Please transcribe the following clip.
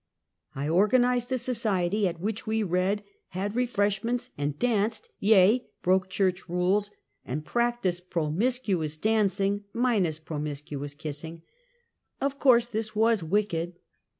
I organized a society at which we read, had refresh ments and danced — yea, broke church rules and prac ticed promiscuous dancing minus promiscuous kiss ing. Of course this was wicked.